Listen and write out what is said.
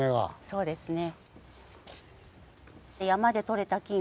そうですね。